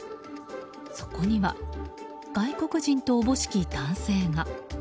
そこには、外国人と思しき男性が。